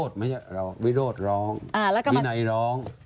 ถูกต้องวิโรธร้องวินัยร้อง